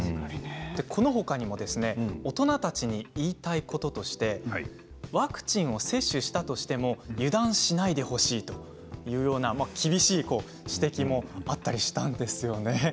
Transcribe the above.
このほかにも大人たちに言いたいこととしてワクチンを接種したとしても油断しないでほしいというような厳しい指摘もあったりしたんですよね。